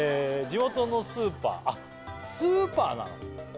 「地元のスーパー」あっスーパーなの？